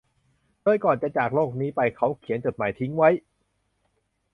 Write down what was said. โดยก่อนจะจากโลกนี้ไปเขาเขียนจดหมายทิ้งไว้